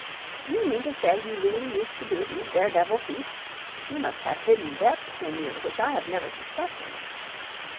Do you mean to say you really used to do these daredevil feats? You must have hidden depths in you which I have never suspected.